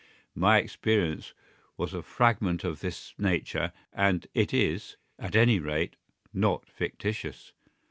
My experience was a fragment of this nature, and it is, at any rate, not fictitious.